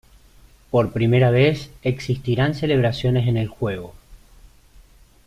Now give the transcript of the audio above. Por primera vez, existirán celebraciones en el juego.